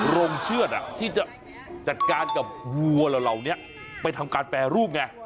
โรงเชือดที่จะจัดการกับวัวเหล่านี้ไปทำการแปรรูปไง